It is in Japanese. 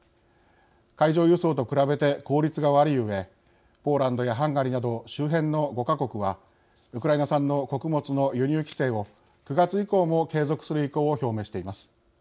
海上輸送と比べて効率が悪いうえポーランドやハンガリーなど周辺の５か国はウクライナ産の穀物の輸入規制を９月以降も継続する意向を表明しています。